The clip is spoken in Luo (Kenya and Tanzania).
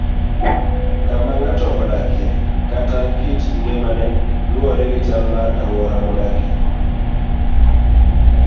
Kama ng'ato odakie kata kit ngimane luwore gi chal mar alwora modakie.